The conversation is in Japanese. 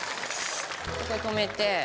これ止めて。